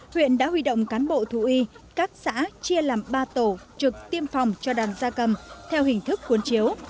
huyện đã huy động cán bộ thú y các xã chia làm ba tổ trực tiêm phòng cho đàn gia cầm theo hình thức cuốn chiếu